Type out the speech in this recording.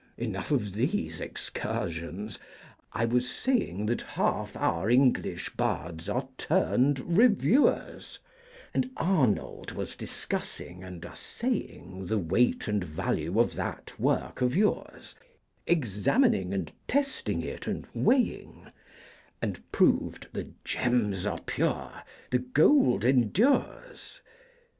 Enough of these excursions; I was saying That half our English Bards are turned Reviewers, And Arnold was discussing and assaying The weight and value of that work of yours, Examining and testing it and weighing, And proved, the gems are pure, the gold endures.